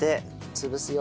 潰すよ。